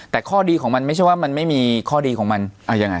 แต่ข้อดีของมันไม่ใช่ว่ามันไม่มีข้อดีของมันเอายังไง